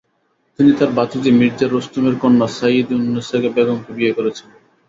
তিনি তার ভাতিজি মির্জা রুস্তমের কন্যা সাইয়িদ-উন-নিসা বেগমকে বিয়ে করেছিলেন।